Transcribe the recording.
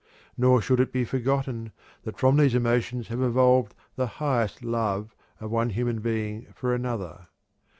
Nor should it be forgotten that from these emotions have evolved the highest love of one human being for another.